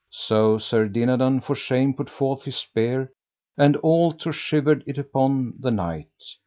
So Sir Dinadan for shame put forth his spear and all to shivered it upon the knight.